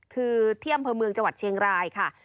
คือที่อำเภอเมืองจังหวัดเชียงรายค่ะ